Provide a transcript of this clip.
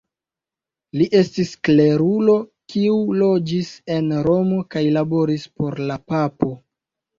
Li estis klerulo kiu loĝis en Romo kaj laboris por la papo.